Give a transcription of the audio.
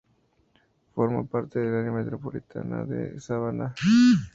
Forma parte del área metropolitana de Savannah.